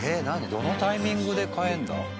どのタイミングで換えるんだ？